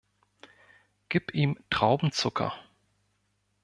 Gib ihm Traubenzucker.